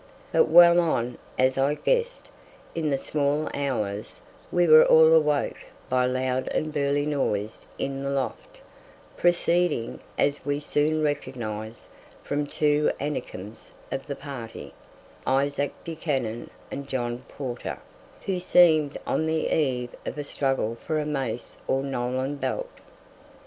But well on, as I guessed, in the small hours we were all awoke by loud and burly noise in the loft, proceeding, as we soon recognized, from two Anakims of the party, Isaac Buchanan and John Porter, who seemed on the eve of a struggle for a Mace or Nolan belt.